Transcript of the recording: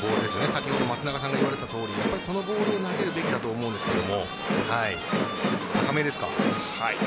先ほど、松中さんが言われたボールを投げるべきだと思うんですけど。